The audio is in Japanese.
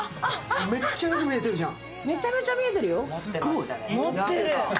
めっちゃよく見えてるじゃん。